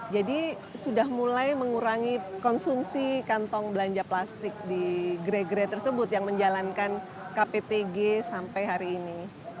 jadi sudah mulai mengurangi konsumsi kantong belanja plastik di gere gere tersebut yang menjalankan kptg sampai hari ini